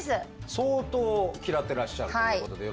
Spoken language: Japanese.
相当嫌ってらっしゃるということでよろしいですね？